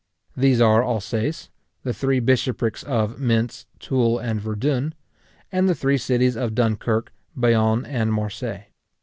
These are Alsace, the three bishoprics of Mentz, Toul, and Verdun, and the three cities of Dunkirk, Bayonne, and Marseilles.